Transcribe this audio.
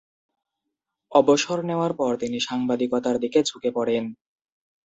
অবসর নেয়ার পর তিনি সাংবাদিকতার দিকে ঝুঁকে পড়েন।